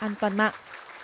an toàn mạng